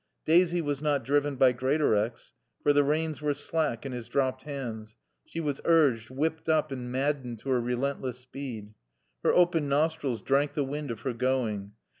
Daisy was not driven by Greatorex, for the reins were slack in his dropped hands, she was urged, whipped up, and maddened to her relentless speed. Her open nostrils drank the wind of her going.